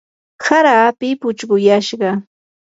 hara api puchquyashqa.